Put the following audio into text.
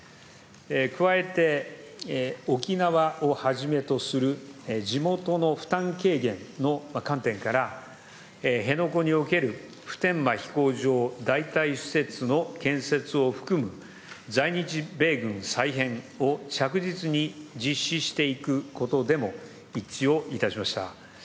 加えて、沖縄をはじめとする地元の負担軽減の観点から、辺野古における普天間飛行場代替施設の建設を含む在日米軍再編を着実に実施していくことでも一致をいたしました。